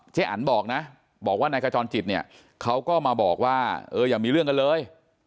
อันบอกนะบอกว่านายขจรจิตเนี่ยเขาก็มาบอกว่าเอออย่ามีเรื่องกันเลย